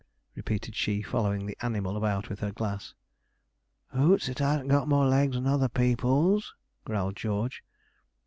repeated she, following the animal about with her glass. 'Hoots, it hasn't more legs than other people's,' growled George.